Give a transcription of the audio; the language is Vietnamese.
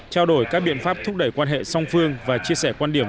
trao đổi các biện pháp thúc đẩy quan hệ song phương và chia sẻ quan điểm